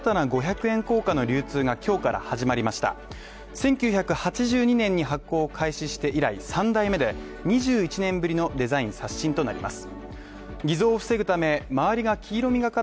１９８２年に発行を開始して以来３代目で、２１年ぶりのデザイン刷新となります。